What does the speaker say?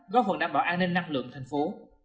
góp phần đảm bảo an ninh năng lượng thành phố